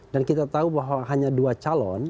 dan kita tahu bahwa hanya dua calon